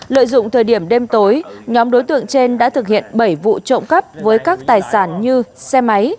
lợi dụng thời điểm đêm tối nhóm đối tượng trên đã thực hiện bảy vụ trộm cắp với các tài sản như xe máy